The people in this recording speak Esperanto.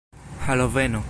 haloveno